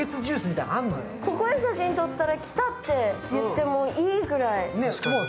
ここで写真を撮ったら、来たって言ってもいいくらい。